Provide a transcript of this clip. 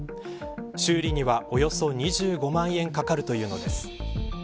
修理にはおよそ２５万円かかるというのです。